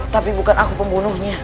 tapi bukan aku pembunuhnya